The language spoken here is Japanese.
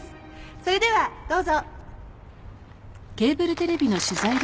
それではどうぞ」